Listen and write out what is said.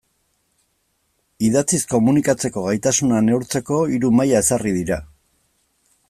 Idatziz komunikatzeko gaitasuna neurtzeko hiru maila ezarri dira.